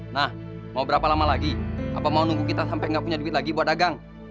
nah mau berapa lama lagi apa mau nunggu kita sampai nggak punya duit lagi buat dagang